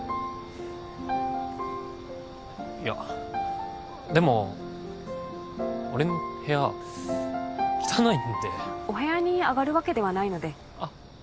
いやでも俺の部屋汚いんでお部屋に上がるわけではないのでああ